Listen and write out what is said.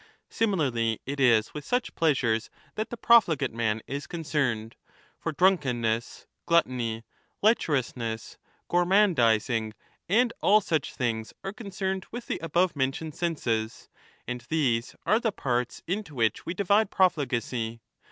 Similarly it is with such pleasures that the profligate man is concerned. For drunkenness, gluttony, lecherousness, gormandizing, and all such things are concerned with the above mentioned 20 senses ; and these are the parts into which we divide pro fligacy.